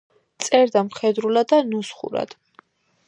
წერდა მხედრულად და ნუსხურად.